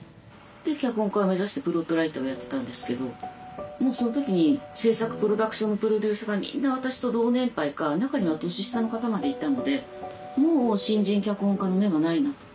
脚本家を目指してプロットライターをやってたんですけどもうその時に制作プロダクションのプロデューサーがみんな私と同年配か中には年下の方までいたのでもう新人脚本家の芽はないなと。